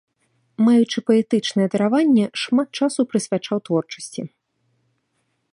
Маючы паэтычнае дараванне, шмат часу прысвячаў творчасці.